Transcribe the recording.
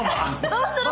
どうする？